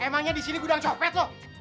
emangnya disini gudang copet lu